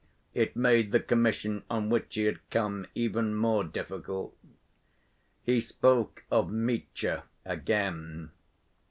It made the commission on which he had come even more difficult. He spoke of Mitya again.